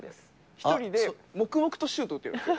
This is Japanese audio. １人で黙々とシュート打ってるんですよ。